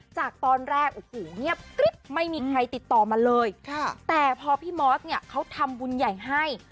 จากตอนแรกไม่มีใครติดต่อมาเลยแต่พอพี่มอสเนี่ยเขาทำบุญใหญ่ให้